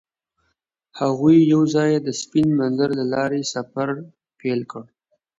هغوی یوځای د سپین منظر له لارې سفر پیل کړ.